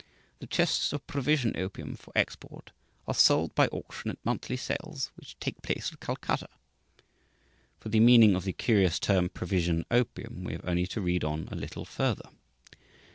The chests of 'provision' opium, for export, are sold by auction at monthly sales, which take place at Calcutta." For the meaning of the curious term, "provision opium," we have only to read on a little further.